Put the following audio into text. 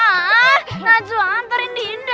nah najwa anturin dinda